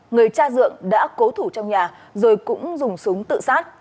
người cha dượng đã cố thủ trong nhà rồi cũng dùng súng tự sát